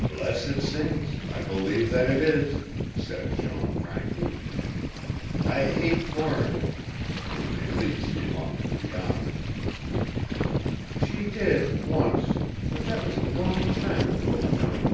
"Blessed saints, I believe that it is!" said Jean frankly. "I hate foreigners and Mélisse belongs to Jan." "She did, once, but that was a long time ago, Jean."